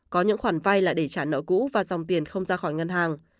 có những khoản vai lại để trả nợ cũ và dòng tiền không ra khỏi ngân hàng